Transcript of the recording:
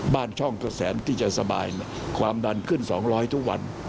ช่องกระแสนที่จะสบายความดันขึ้น๒๐๐ทุกวัน